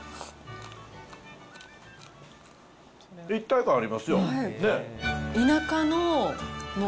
一体感ありますよ。